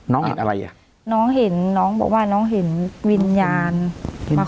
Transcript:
น้องเห็นอะไรอ่ะน้องเห็นน้องบอกว่าน้องเห็นวิญญาณมา